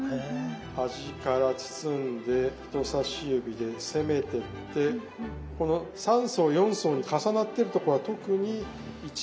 端から包んで人さし指で攻めてってこの３層４層に重なってるとこは特に１枚分の厚さにする。